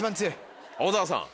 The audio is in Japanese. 小澤さん。